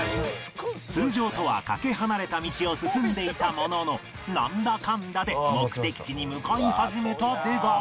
通常とはかけ離れた道を進んでいたもののなんだかんだで目的地に向かい始めた出川